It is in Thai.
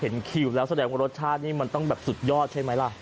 คิวแล้วแสดงว่ารสชาตินี่มันต้องแบบสุดยอดใช่ไหมล่ะ